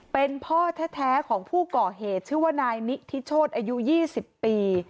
เป็นพ่อแท้ของผู้ก่อเหตุชื่อว่านายนิทิโชธอายุ๒๐ปี